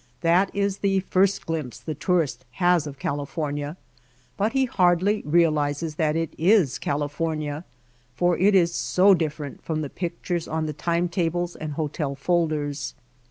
That is the first glimpse the tourist has of California, but he hardly realizes that it is California, for it is so different from the pictures on the time tables and hotel folders.